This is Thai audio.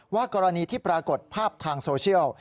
กรณีที่ปรากฏภาพทางโซเชียล